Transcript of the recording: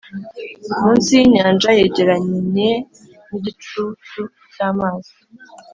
munsi yinyanja yegeranye nigicucu cyamazi,